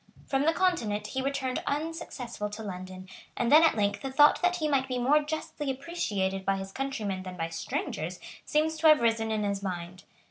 From the Continent he returned unsuccessful to London; and then at length the thought that he might be more justly appreciated by his countrymen than by strangers seems to have risen in his mind.